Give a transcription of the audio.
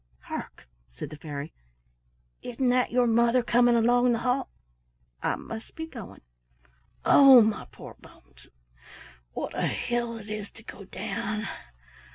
"Hark!" said the fairy, "isn't that your mother coming along the hall? I must be going. Oh, my poor bones! What a hill it is to go down!